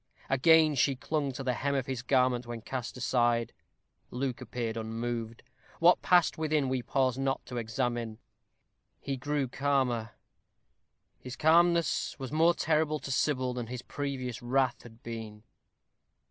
Again she clung to the hem of his garment when cast aside. Luke appeared unmoved; what passed within we pause not to examine. He grew calmer; his calmness was more terrible to Sybil than his previous wrath had been.